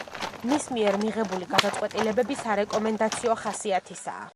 მის მიერ მიღებული გადაწყვეტილებები სარეკომენდაციო ხასიათისაა.